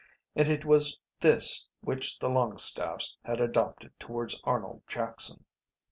And it was this which the Longstaffes had adopted towards Arnold Jackson.